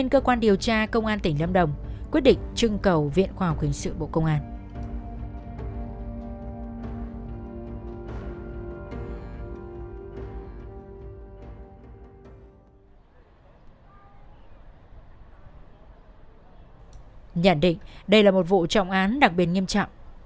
nhận định đây là một vụ trọng án đặc biệt nghiêm trọng